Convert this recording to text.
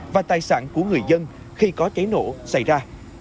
và tài sản của người dân khi có cháy nổ xảy ra